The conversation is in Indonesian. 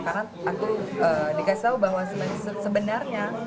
karena aku dikasih tahu bahwa sebenarnya